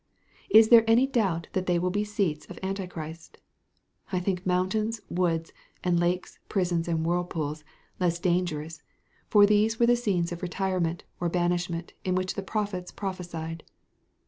Is there any doubt that they will be seats of Antichrist? I think mountains, woods, and lakes, prisons and whirlpools, less dangerous; for these were the scenes of retirement or banishment in which the prophets prophesied."